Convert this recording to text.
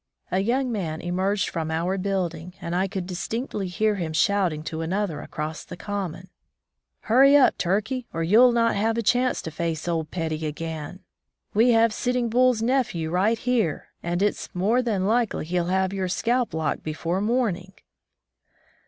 A young man emerged from our building and I could distinctly hear him shouting to another across the Common : "Hurry up, Turkey, or you'll not have the chance to face old Petty again! We 52 College Life in the West have Sitting Bull's nephew right here, and it's more than likely he'll have your scalp lock before morning!"